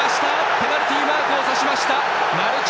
ペナルティーマークをさしました。